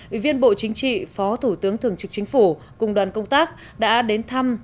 ủy viên bộ chính trị phó thủ tướng thường trực chính phủ cùng đoàn công tác đã đến thăm